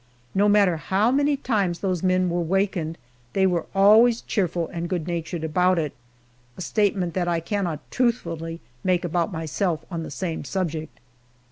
No matter how many times those men were wakened they were always cheerful and good natured about it. A statement that I cannot truthfully make about myself on the same subject!